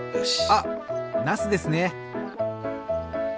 あっなすですね。